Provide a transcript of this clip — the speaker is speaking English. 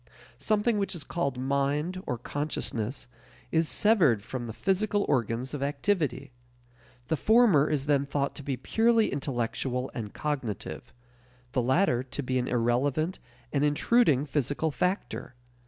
Something which is called mind or consciousness is severed from the physical organs of activity. The former is then thought to be purely intellectual and cognitive; the latter to be an irrelevant and intruding physical factor.